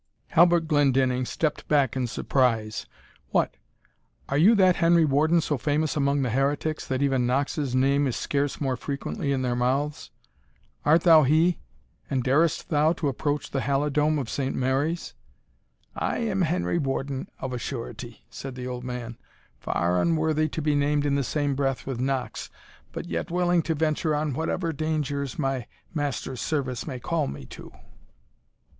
Halbert Glendinning stepped back in surprise. "What! are you that Henry Warden so famous among the heretics, that even Knox's name is scarce more frequently in their mouths? Art thou he, and darest thou to approach the Halidome of Saint Mary's?" "I am Henry Warden, of a surety," said the old man, "far unworthy to be named in the same breath with Knox, but yet willing to venture on whatever dangers my master's service may call me to."